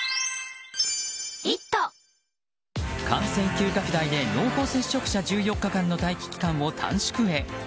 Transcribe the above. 感染急拡大で濃厚接触者１４日間の待機期間を短縮へ。